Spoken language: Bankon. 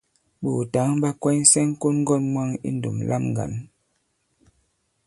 Ɓòòtǎŋ ɓa kwɛnysɛ ŋ̀kon-ŋgɔ̂n mwaŋ i ndùm lam ŋgǎn.